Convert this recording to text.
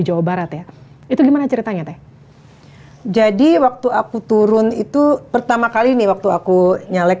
jawa barat ya itu gimana ceritanya teh jadi waktu aku turun itu pertama kali nih waktu aku nyalek